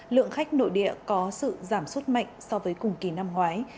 lượng khách nội địa có sự giảm suất mạnh so với cùng kỳ năm ngoái